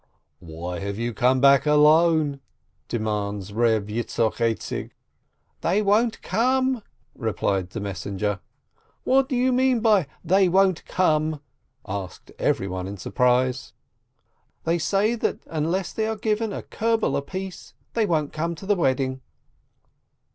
"Why have you come back alone?" demands Reb Yitzchok Aizik." "They won't come!" replies the messenger. "What do you mean by 'they won't come'?" asked everyone in surprise. "They say that unless they are given a kerbel apiece, they won't come to the wedding."